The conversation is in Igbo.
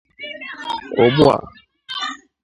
ugbu a